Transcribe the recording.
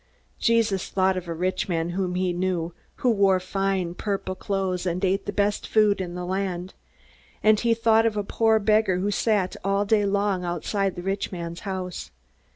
Jesus thought of a rich man whom he knew, who wore fine purple clothes and ate the best food in the land. And he thought of a poor beggar who sat all day long outside the rich man's house.